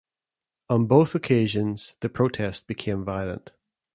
On both occasions, the protest became violent.